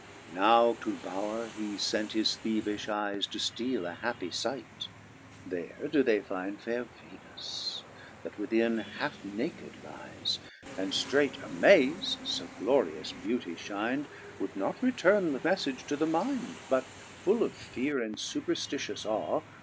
»OW to the bower hee fent his theevifli eyes To fteale a happy fight ; there doe they finde Faire Venus, that within halfe naked lyes ; And ftraight amaz'd (fo glorious beauty (hin'd) Would not returne the meflage to the minde ; But, full of feare and fuperftitious awe.